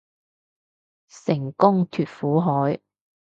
成功脫苦海